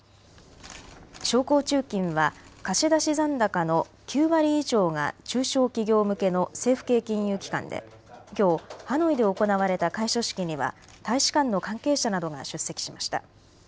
商工中金は貸出残高の９割以上が中小企業向けの政府系金融機関できょう、ハノイで行われた開所式には大使館の関係者などが出席しました。